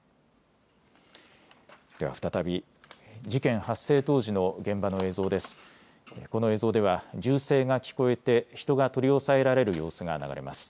では再び事件発生当時の現場の映像です。